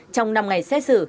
trong năm ngày xét xử